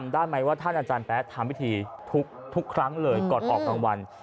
อาจารย์แพทย์ทำพิธีทุกครั้งเลยก่อนออกรางวัล